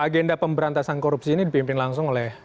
agenda pemberantasan korupsi ini dipimpin langsung oleh